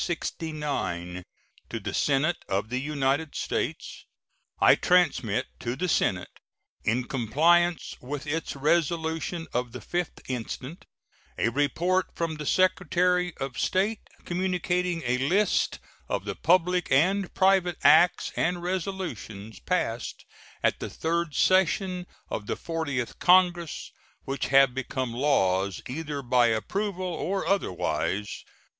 To the Senate of the United States: I transmit to the Senate, in compliance with its resolution of the 5th instant, a report from the Secretary of State, communicating a list of the public and private acts and resolutions passed at the third session of the Fortieth Congress which have become laws, either by approval or otherwise.